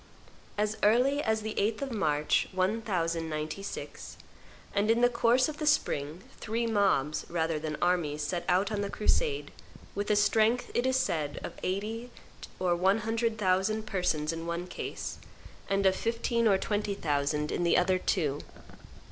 As early as the 8th of March, 1096, and in the course of the spring three mobs rather than armies set out on the crusade, with a strength, it is said, of eighty or one hundred thousand persons in one case, and of fifteen or twenty thousand in the other two.